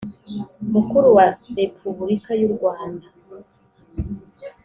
mukuru wa repubulika y u rwanda